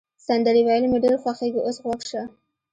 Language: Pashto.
سندرې ویل مي ډېر خوښیږي، اوس غوږ شه.